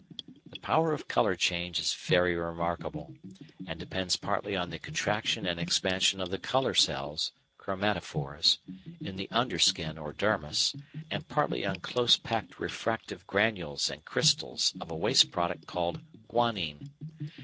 The power of colour change is very remarkable, and depends partly on the contraction and expansion of the colour cells (chromatophores) in the under skin (or dermis) and partly on close packed refractive granules and crystals of a waste product called guanin.